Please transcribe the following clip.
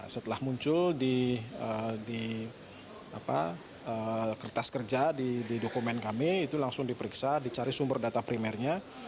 setelah muncul di kertas kerja di dokumen kami itu langsung diperiksa dicari sumber data primernya